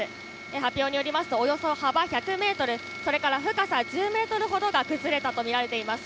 発表によりますと、およそ幅１００メートル、それから深さ１０メートルほどが崩れたと見られています。